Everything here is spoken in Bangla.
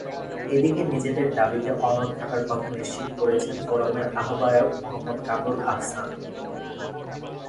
এদিকে নিজেদের দাবিতে অনড় থাকার কথা নিশ্চিত করেছেন ফোরামের আহ্বায়ক মুহাম্মদ কামরুল আহসান।